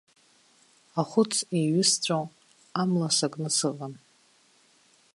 Ахәыц еиҩысҵәо амла сакны сыҟан.